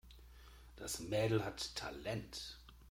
Das Mädel hat Talent.